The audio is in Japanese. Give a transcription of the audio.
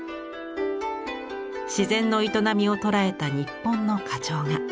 自然の営みを捉えた日本の花鳥画。